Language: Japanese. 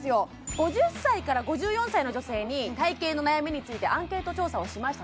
５０歳から５４歳の女性に体形の悩みについてアンケート調査をしました